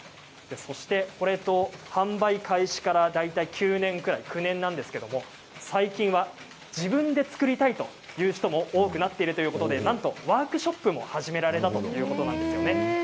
販売開始から大体９年ぐらいたつんですけれど最近は自分で作りたいという人も多くなっているということでなんとワークショップも始められたということなんです。